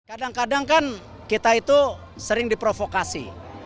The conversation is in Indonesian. kadang kadang kan kita itu sering diprovokasi